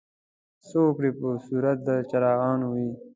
څه وګړي په صورت د څراغونو وي.